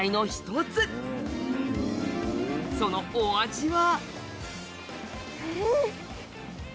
そのお味は？